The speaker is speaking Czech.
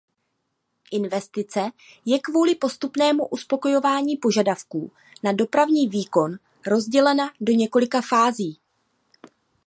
Investice je kvůli postupnému uspokojování požadavků na dopravní výkon rozdělena do několika fází.